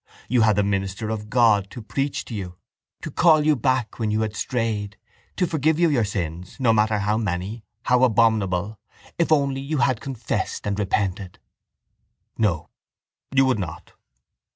You had the minister of God to preach to you, to call you back when you had strayed, to forgive you your sins, no matter how many, how abominable, if only you had confessed and repented. No. You would not.